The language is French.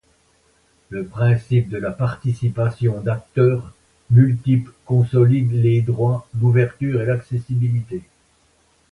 Le principe de la participation d’acteurs multiples consolide les droits, l’ouverture et l’accessibilité.